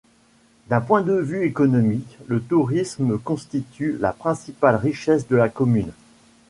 D’un point de vue économique, le tourisme constitue la principale richesse de la commune.